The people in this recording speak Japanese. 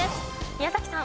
宮崎さん。